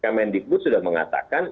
kemen dikbud sudah mengatakan